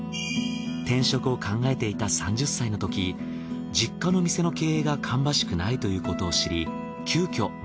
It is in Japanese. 転職を考えていた３０歳の時実家の店の経営が芳しくないということを知り急きょ